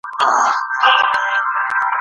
هغې په خورا متانت وویل چې هر څه په مینه کې دي.